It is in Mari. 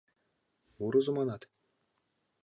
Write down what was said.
Мурызо, манат?